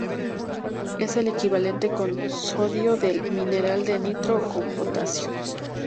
Es el equivalente con sodio del mineral de nitro -con potasio-.